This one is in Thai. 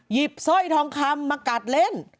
หยิบซ่อยทองคำมากัดเล่น